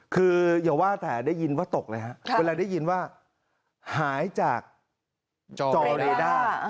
คืออย่าว่าแต่ได้ยินว่าตกเลยฮะเวลาได้ยินว่าหายจากจอเรด้า